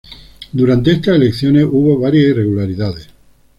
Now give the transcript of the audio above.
Durante estas elecciones hubo varias irregularidades.